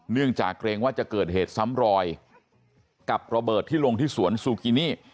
เนื่องจากเกรงว่าจะเกิดเหตุซ้ำรอยกับระเบิดที่ลงที่สวนซูกินี่